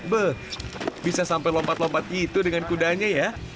beh bisa sampai lompat lompat gitu dengan kudanya ya